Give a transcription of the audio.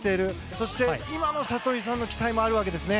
そして今の聡美さんへの期待もあるわけですね。